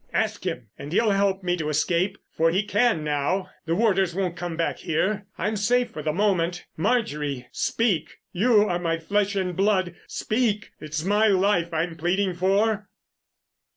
Ask him, and he'll help me to escape. For he can, now. The warders won't come back here. I'm safe for the moment. Marjorie—speak. You are my flesh and blood. Speak! It's my life I'm pleading for."